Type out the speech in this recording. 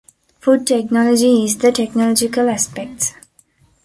Food technology is the technological aspects.